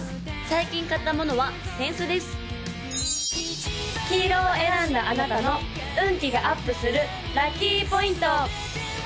最近買ったものは扇子です黄色を選んだあなたの運気がアップするラッキーポイント！